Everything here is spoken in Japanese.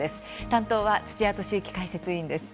担当は土屋敏之解説委員です。